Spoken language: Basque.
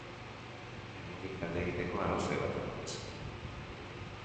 Hemendik alde egiteko arrazoi bat eman dizut.